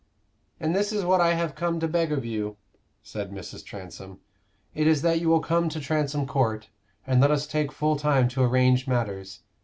"And this is what I have come to beg of you," said Mrs. Transome. "It is that you will come to Transome Court and let us take full time to arrange matters.